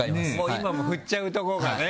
今も振っちゃうところがね。